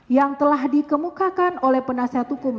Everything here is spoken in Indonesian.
yang telah dikemukakan oleh penasihat hukum